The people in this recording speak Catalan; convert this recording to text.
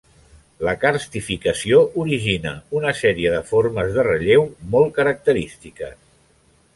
La carstificació origina una sèrie de formes de relleu molt característiques.